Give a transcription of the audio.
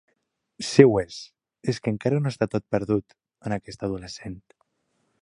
Si ho és, és que encara no està tot perdut, en aquest adolescent.